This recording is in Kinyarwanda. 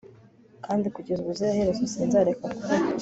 kandi kugeza ubuziraherezo sinzareka kubaho